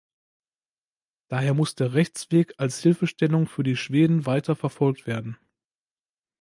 Daher muss der Rechtsweg als Hilfestellung für die Schweden weiter verfolgt werden.